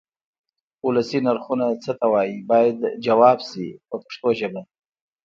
ولسي نرخونه څه ته وایي باید ځواب شي په پښتو ژبه.